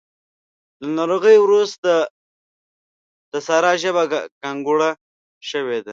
له ناروغۍ روسته د سارا ژبه ګانګوړه شوې ده.